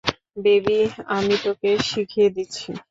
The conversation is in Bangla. বেবি, আমি তোকে শিখিয়ে দিচ্ছি।